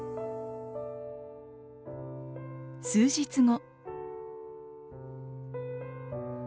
数日後。